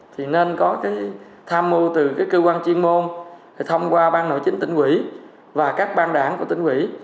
thì nên có cái tham mưu từ cái cơ quan chuyên môn thông qua bang nội chính tỉnh ủy và các bang đảng của tỉnh ủy